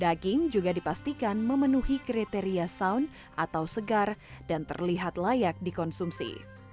daging juga dipastikan memenuhi kriteria sound atau segar dan terlihat layak dikonsumsi